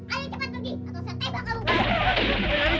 ayo cepat pergi atau saya tebak kamu